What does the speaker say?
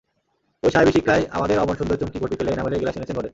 ঐ সাহেবী শিক্ষায় আমাদের অমন সুন্দর চুমকি ঘটী ফেলে এনামেলের গেলাস এনেছেন ঘরে।